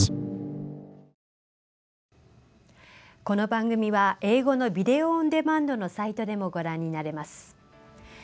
この番組は英語のビデオオンデマンドのサイトでもご覧になれます。